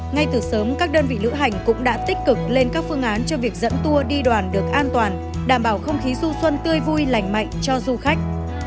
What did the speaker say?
ngay từ sớm các đơn vị lữ hành cũng đã tích cực lên các phương án cho việc dẫn tour đi đoàn được an toàn đảm bảo không khí du xuân tươi vui lành mạnh cho du khách